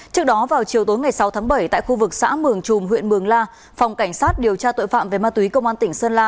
trước đó vào chiều tối ngày sáu tháng bảy tại khu vực xã mường trùm huyện mường la phòng cảnh sát điều tra tội phạm về ma túy công an tỉnh sơn la